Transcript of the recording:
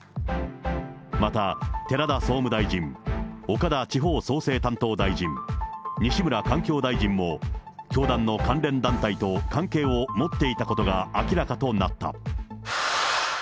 また、寺田総務大臣、岡田地方創生担当大臣、西村環境大臣も教団の関連団体と関係を持っていたことが明らかとなった。